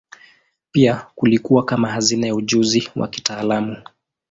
Pia kilikuwa kama hazina ya ujuzi wa kitaalamu.